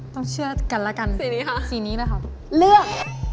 ต้องเชื่อกันละกันสีนี้แหละค่ะเลือก